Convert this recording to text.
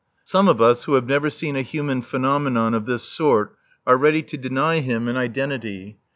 Some of us who have never seen a human phenomenon of this sort are ready to deny him an identity.